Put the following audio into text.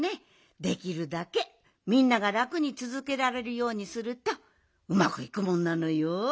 できるだけみんながらくにつづけられるようにするとうまくいくもんなのよ。